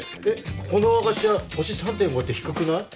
ここの和菓子屋星３．５って低くない？